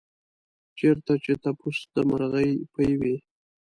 چېرته چې تپوس د مرغۍ پۍ وي.